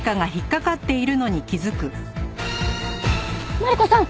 マリコさん！